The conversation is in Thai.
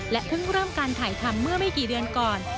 เพิ่งเริ่มการถ่ายทำเมื่อไม่กี่เดือนก่อน